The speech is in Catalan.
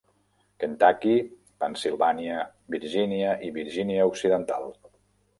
Kentucky, Pennsilvània, Virgínia i Virgínia Occidental.